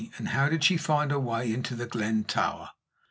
And how did she find her way into The Glen Tower?